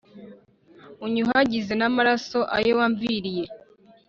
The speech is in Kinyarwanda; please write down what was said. unyuhagiz' amaraso, ayo wamviriye.